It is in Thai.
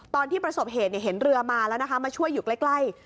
ประสบเหตุเห็นเรือมาแล้วนะคะมาช่วยอยู่ใกล้